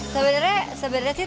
sebenarnya sebenarnya sih